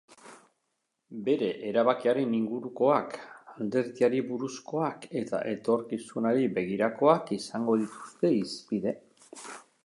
Bere erabakiaren ingurukoak, alderdiari buruzkoak eta etorkizunari begirakoak izango dituzte hizpide.